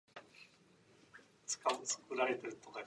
The primary school for the Ross of Mull is found in Bunessan.